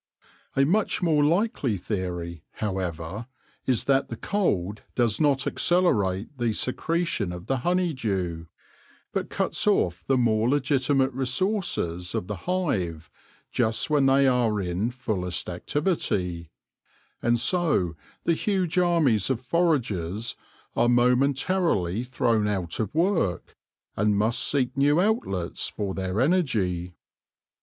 A much more likely theory, however, is that the cold does not accelerate the secretion of the honeydew, but cuts off the more legitimate resources of the hive just when they are in fullest activity ; and so the huge armies of foragers are momentarily thrown out of work, and must seek new outlets for their energy.